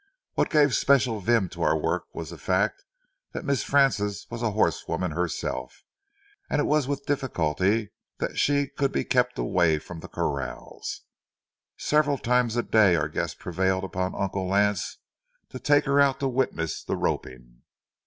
What gave special vim to our work was the fact that Miss Frances was a horsewoman herself, and it was with difficulty that she could be kept away from the corrals. Several times a day our guest prevailed on Uncle Lance to take her out to witness the roping.